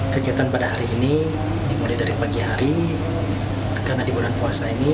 kegiatan pada hari ini dimulai dari pagi hari karena di bulan puasa ini